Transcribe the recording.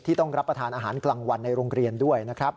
ต้องรับประทานอาหารกลางวันในโรงเรียนด้วยนะครับ